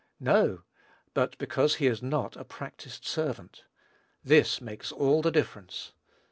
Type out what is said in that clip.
No; but because he is not a practised servant. This makes all the difference.